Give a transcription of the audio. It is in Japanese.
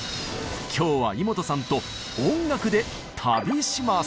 今日はイモトさんと音楽で旅します。